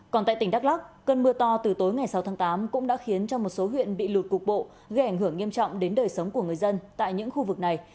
còn tại tỉnh đắk lắc cơn mưa to từ tối ngày sáu tháng tám cũng đã khiến cho một số huyện bị lụt cục bộ gây ảnh hưởng nghiêm trọng đến đời sống của người dân tại những khu vực này